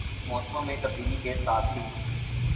موسموں میں تبدیلی کے ساتھ ہی